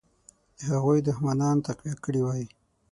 د هغوی دښمنان تقویه کړي وای.